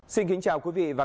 xin kính chào quý vị và các bạn